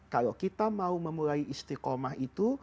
kalau kita mau memulai istiqomah itu